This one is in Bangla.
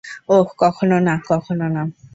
ওহ, কখনো না, কখনো না।